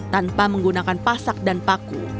tanpa menggunakan pasak dan paku